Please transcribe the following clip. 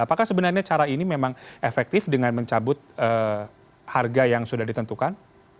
apakah sebenarnya cara ini memang efektif dengan mencabut harga yang sudah ditentukan